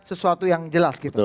sesuatu yang jelas gitu